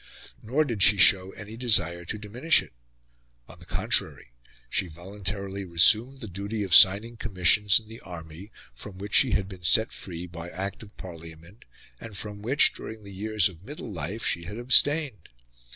Nor did she show any desire to diminish it. On the contrary, she voluntarily resumed the duty of signing commissions in the army, from which she had been set free by Act of Parliament, and from which, during the years of middle life, she had abstained.